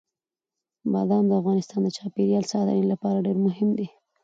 بادام د افغانستان د چاپیریال ساتنې لپاره ډېر مهم دي.